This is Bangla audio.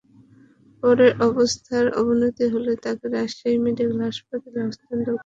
পরে অবস্থার অবনতি হলে তাঁকে রাজশাহী মেডিকেল কলেজ হাসপাতালে স্থানান্তর করা হয়।